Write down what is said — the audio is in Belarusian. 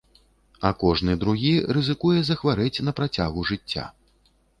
А кожны другі рызыкуе захварэць на працягу жыцця.